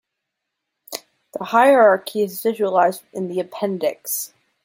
The hierarchy is visualized in the appendix.